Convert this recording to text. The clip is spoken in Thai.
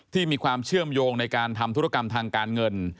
ที่มีความเชื่อมโยงในการทำธุรกรรมทางการเงิน